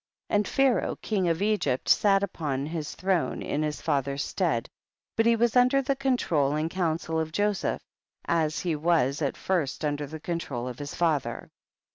9. And Pharaoh king of Egypt sal upon his throne in his father's stead, but he was under the control and counsel of Joseph, as he was at first under the control of his father.